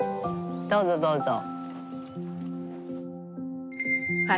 どうぞどうぞ。